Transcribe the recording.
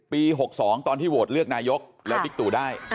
๖๒ตอนที่โหวตเลือกนายกแล้วบิ๊กตู่ได้